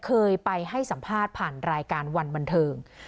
เคยไปให้สัมภาษณ์ผ่านรายการวันบันเทิง